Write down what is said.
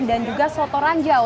dan juga soto ranjau